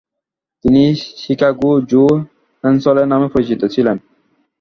তিনি "Chicago Joe" Hensley নামে পরিচিত ছিলেন।